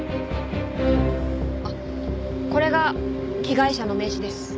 あっこれが被害者の名刺です。